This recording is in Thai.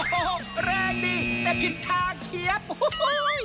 โอ้โฮแรงดีแต่ผิดทางเฉียบ